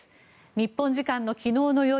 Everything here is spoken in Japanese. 日本時間の昨日の夜